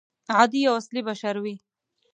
عادي او اصلي بشر وي.